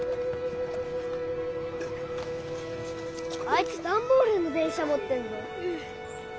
あいつ段ボールの電車持ってんの。